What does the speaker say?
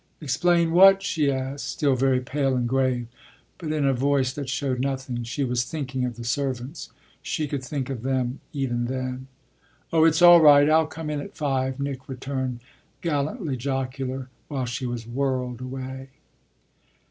"Explain what?" she asked, still very pale and grave, but in a voice that showed nothing. She was thinking of the servants she could think of them even then. "Oh it's all right. I'll come in at five," Nick returned, gallantly jocular, while she was whirled away.